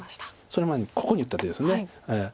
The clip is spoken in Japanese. その前にここに打った手です。